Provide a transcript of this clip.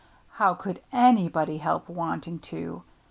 How could anybody help wanting to?